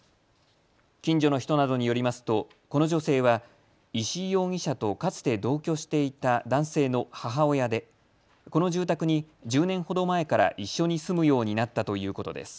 近所の人などによりますとこの女性は石井容疑者とかつて同居していた男性の母親でこの住宅に１０年ほど前から一緒に住むようになったということです。